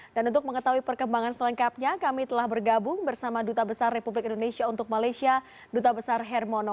dan untuk mengetahui perkembangan selengkapnya kami telah bergabung bersama duta besar republik indonesia untuk malaysia duta besar hermono